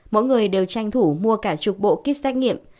mỗi người đều tranh thủ mua cả chục bộ kit xét nghiệm